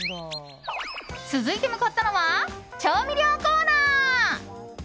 続いて向かったのは調味料コーナー。